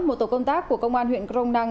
một tổ công tác của công an huyện crong năng